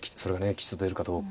吉と出るかどうか。